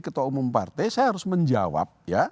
ketua umum partai saya harus menjawab ya